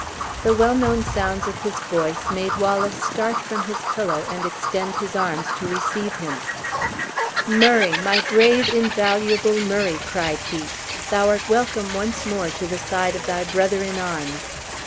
The well known sounds of his voice made Wallace start from his pillow, and extend his arms to receive him. "Murray! My brave, invaluable Murray!" cried he, "thou art welcome once more to the side of thy brother in arms.